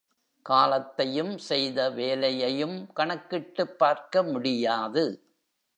காலத்தையும் செய்த வேலையையும் கனக்கிட்டுப் பார்க்க முடியாது.